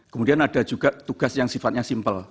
kemudian ada juga tugas yang sifatnya simpel